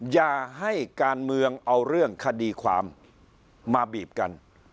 อย่าให้การเมืองเอาเรื่องคดีความมาบีบกัน